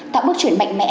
tạo bước chuyển mạnh mẽ